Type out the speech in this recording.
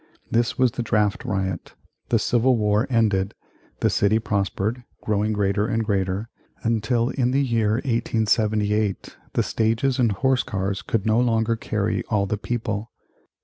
This was the Draft Riot. The Civil War ended, the city prospered, growing greater and greater, until in the year 1878 the stages and horse cars could no longer carry all the people.